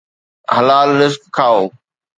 حلال رزق کائو